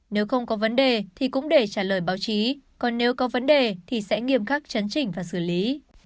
nếu không có vấn đề thì cũng để trả lời báo chí còn nếu có vấn đề thì sẽ nghiêm khắc chấn chỉnh và xử lý